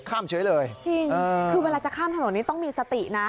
คือเวลาจะข้ามถนนต้องมีสตินะ